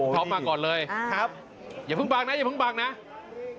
ครับพี่มาก่อนเลยครับอย่าเพิ่งบังอย่าเพิ่งบังอย่าเพิ่งบัง